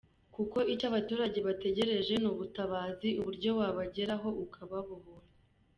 Kuko icyo abaturage bategereje ni ubutabazi, uburyo wabageraho ukababohora.